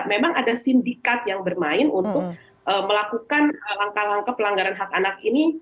memang ada sindikat yang bermain untuk melakukan langkah langkah pelanggaran hak anak ini